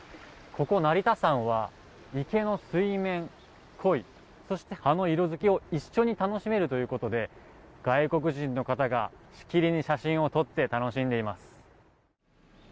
ここ、成田山は池の水面、コイそして葉の色付きを一緒に楽しめるということで外国人の方がしきりに写真を撮って楽しんでいます。